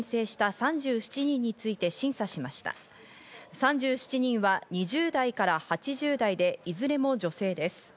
３７人は２０代から８０代でいずれも女性です。